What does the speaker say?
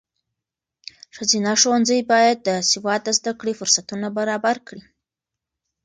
ښځینه ښوونځي باید د سواد د زده کړې فرصتونه برابر کړي.